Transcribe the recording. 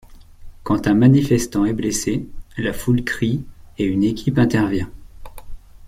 Quand un manifestant est blessé, la foule crie et une équipe intervient.